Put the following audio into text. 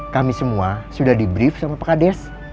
kami semua sudah di brief sama pak kades